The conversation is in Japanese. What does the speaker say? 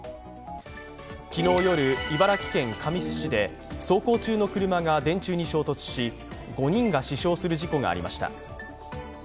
昨日夜、茨城県神栖市で走行中の車が電柱に衝突し、５人が死傷する事故がありました。